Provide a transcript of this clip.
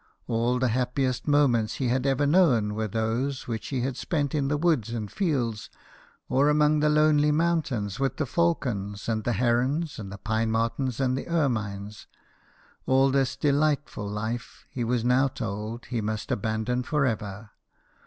All the happiest moments he had ever known were those which he had spent in the woods and fields, or among the lonely mountains with the falcons, and the herons, and the pine martens, and the ermines. All this delightful life he was now told he must abandon for ever.